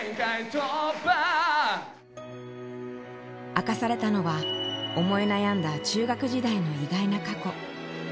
明かされたのは思い悩んだ中学時代の意外な過去。